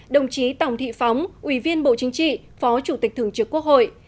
đồng chí tòng thị phóng ủy viên bộ chính trị phó chủ tịch thường trực quốc hội